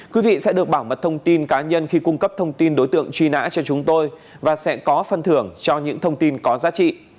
quý vị sẽ được bảo mật thông tin cá nhân khi cung cấp thông tin đối tượng truy nã cho chúng tôi và sẽ có phân thưởng cho những thông tin có giá trị